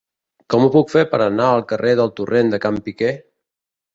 Com ho puc fer per anar al carrer del Torrent de Can Piquer?